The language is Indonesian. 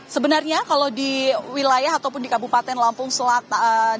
sebenarnya kalau di wilayah ataupun di kabupaten lampung selatan